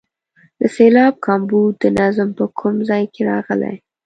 د سېلاب کمبود د نظم په کوم ځای کې راغلی.